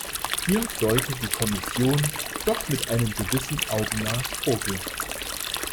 Hier sollte die Kommission doch mit einem gewissen Augenmaß vorgehen.